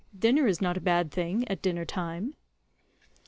Dinner is not a bad thing, at dinner time."